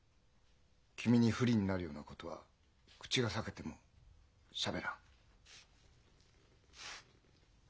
君に不利になるようなことは口が裂けてもしゃべらん。